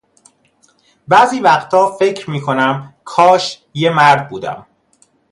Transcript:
بعضی وقتا فکر می کنم کاش یه مرد بودم